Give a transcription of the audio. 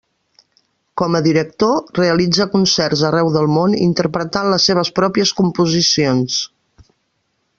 Com a director, realitza concerts arreu del món, interpretant les seves pròpies composicions.